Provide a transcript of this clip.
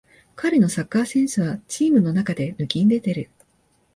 彼のサッカーセンスはチームの中で抜きんでてる